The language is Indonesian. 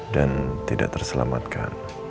dan tidak terselamatkan